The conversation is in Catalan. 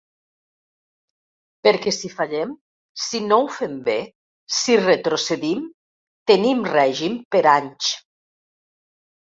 Perquè si fallem, si no ho fem bé, si retrocedim, tenim règim per anys.